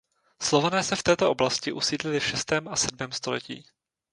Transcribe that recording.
Slované se v této oblasti usídlili v šestém a sedmém století.